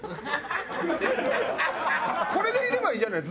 これでいればいいんじゃない？